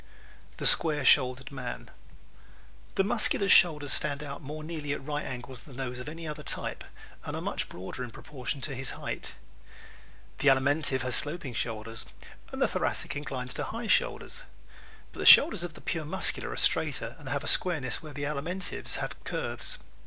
The Square Shouldered Man ¶ The Muscular's shoulders stand out more nearly at right angles than those of any other type and are much broader in proportion to his height. The Alimentive has sloping shoulders and the Thoracic inclines to high shoulders. But the shoulders of the pure Muscular are straighter and have a squareness where the Alimentive's have curves.